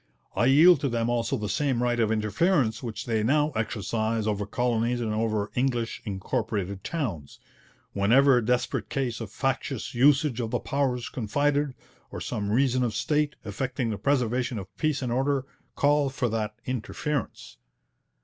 I yield to them also the same right of interference which they now exercise over colonies and over English incorporated towns; whenever a desperate case of factious usage of the powers confided, or some reason of state, affecting the preservation of peace and order, call for that interference.'